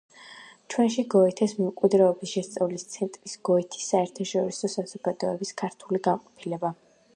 ჩვენში გოეთეს მემკვიდრეობის შესწავლის ცენტრის გოეთეს საერთაშორისო საზოგადოების ქართული განყოფილება.